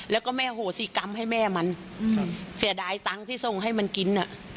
แล้วก็แม่โหสิกรรมให้แม่มันเสียดายตังค์ที่ส่งให้มันกิน